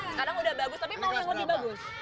sekarang udah bagus tapi mau yang berapa